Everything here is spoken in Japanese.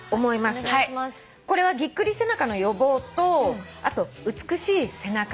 これはぎっくり背中の予防と美しい背中と。